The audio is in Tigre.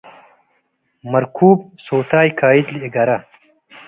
መርኩብ ሶታይ ካይድ ለእገረ